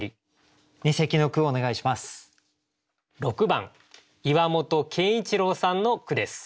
６番岩本健一郎さんの句です。